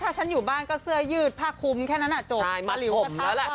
ถ้าฉันอยู่บ้านก็เสื้อยืดผ้าคุ้มแค่นั้นนะจบ